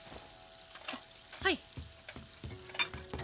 はい。